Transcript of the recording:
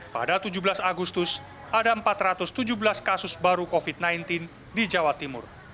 pada tujuh belas agustus ada empat ratus tujuh belas kasus baru covid sembilan belas di jawa timur